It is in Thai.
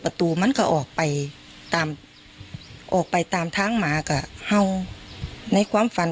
มันก็ออกไปตามออกไปตามทางหมาก็เห่าในความฝัน